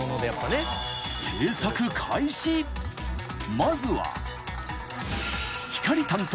［まずは］